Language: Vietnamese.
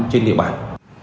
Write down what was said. trên địa bàn